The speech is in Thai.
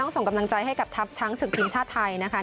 ต้องส่งกำลังใจให้กับทัพชั้นศึกทีมชาติไทยนะครับ